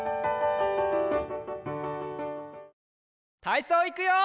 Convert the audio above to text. たいそういくよ！